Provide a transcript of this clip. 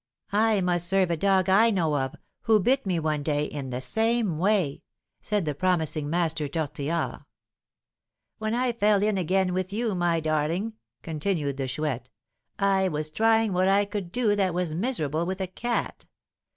"I must serve a dog I know of, who bit me one day, in the same way," said the promising Master Tortillard. "When I fell in again with you, my darling," continued the Chouette, "I was trying what I could do that was miserable with a cat.